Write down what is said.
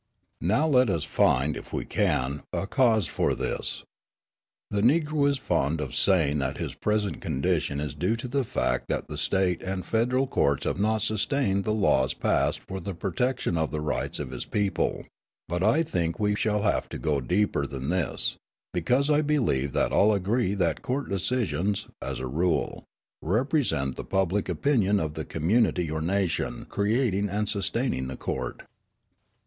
Now let us find, if we can, a cause for this. The Negro is fond of saying that his present condition is due to the fact that the State and federal courts have not sustained the laws passed for the protection of the rights of his people; but I think we shall have to go deeper than this, because I believe that all agree that court decisions, as a rule, represent the public opinion of the community or nation creating and sustaining the court.